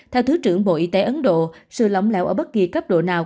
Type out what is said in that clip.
theo thứ trưởng bộ y tế ấn độ sự lỏng lẻo ở bất kỳ cấp độ nào